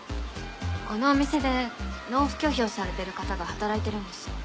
このお店で納付拒否をされてる方が働いてるんです。